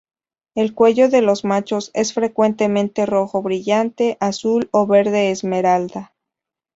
El cuello de los machos es frecuentemente rojo brillante, azul o verde esmeralda.